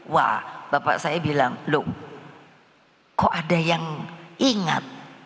wah bapak saya bilang loh kok ada yang ingat